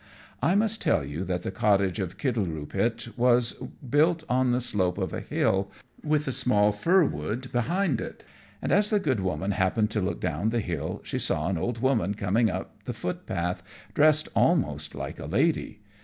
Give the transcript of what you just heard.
I must tell you that the cottage of Kittleroopit was built on the slope of a hill, with a small fir wood behind it; and as the good woman happened to look down the hill she saw an old woman coming up the footpath, dressed almost like a lady.